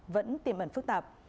vẫn tiềm ẩn phức tạp